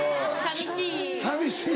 寂しい。